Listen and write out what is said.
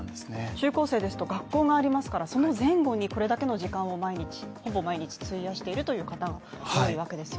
中高生ですと学校がありますからその前後にこれだけの時間をほぼ毎日費やしているという方が多いわけですね。